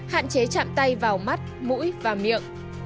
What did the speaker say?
hạn chế chạm tay vào mắt mũi và miệng